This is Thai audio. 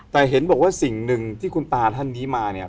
แต่เห็นบอกว่าสิ่งหนึ่งที่คุณตาท่านนี้มาเนี่ย